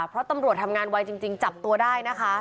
เพราะตำรวจทำงานไวจริงจับตัวได้นะคะ